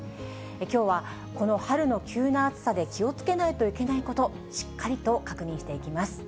きょうは、この春の急な暑さで気をつけないといけないこと、しっかりと確認していきます。